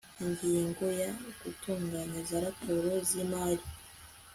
Ingingo ya Gutanga za raporo z imari